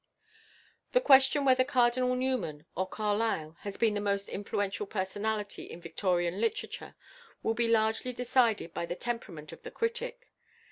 The question whether Cardinal Newman or Carlyle has been the most influential personality in Victorian literature will be largely decided by the temperament of the critic.